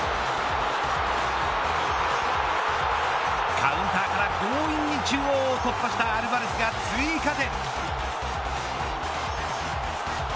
カウンターから強引に中央を突破したアルヴァレスが追加点。